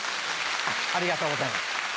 ありがとうございます。